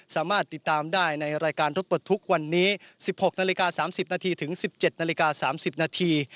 สามารถติดตามได้ในรายการทดปลดทุกข์วันนี้๑๖นาฬิกา๓๐นาทีถึง๑๗นาฬิกา๓๐นาที